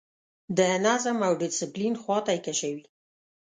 د نظم او ډسپلین خواته یې کشوي.